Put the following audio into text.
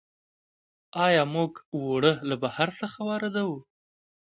آیا موږ اوړه له بهر څخه واردوو؟